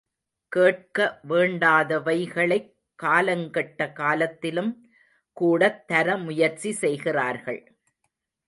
கேட்க வேண்டாதவைகளைக் காலங்கெட்ட காலத்திலும் கூடத் தர முயற்சி செய்கிறார்கள்.